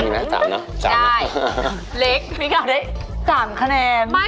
เป็นคนปากเล็กนะคะเวลาทาน